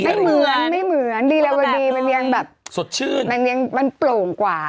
ใช่ไม่เหมือนลีลาวาดีมันยังมันโปร่งกว่า